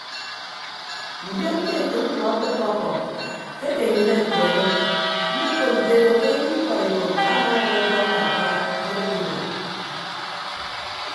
Ndion ke etәk mkpọ akpekọkkọ ke ake nnyịn akueñe mmekop nte ebo ke eyịn ikọd ekop amaadʌk ekọñ mbakara ke ọdʌk inan.